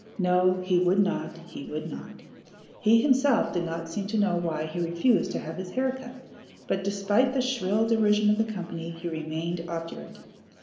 No, he would not, he would not. He himself did not seem to know why he refused to have his hair cut, but, despite the shrill derision of the company, he remained obdurate.